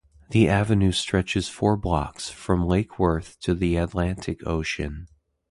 The Avenue stretches four blocks from Lake Worth to the Atlantic Ocean.